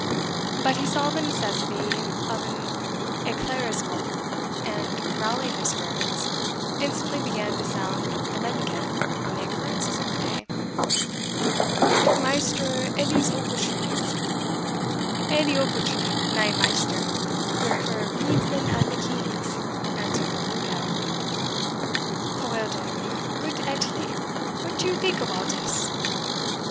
But he saw the necessity of an e'claircissement, and, rallying his spirits, instantly began to sound the mendicant on the occurrences of the day. "Goot Maister Edies Ochiltrees" "Edie Ochiltree, nae maister your puir bedesman and the king's," answered the Blue Gown. "Awell den, goot Edie, what do you think of all dis?"